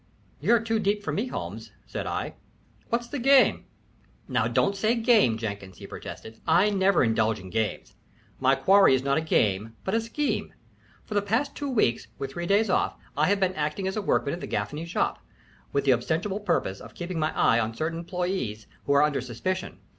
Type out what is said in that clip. "You're too deep for me, Holmes," said I. "What's the game?" "Now don't say game, Jenkins," he protested. "I never indulge in games. My quarry is not a game, but a scheme. For the past two weeks, with three days off, I have been acting as a workman in the Gaffany ship, with the ostensible purpose of keeping my eye on certain employés who are under suspicion.